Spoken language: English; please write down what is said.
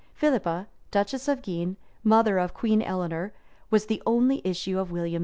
Philippa, duchess of Guienne, mother of Queen Eleanor, was the only issue of William IV.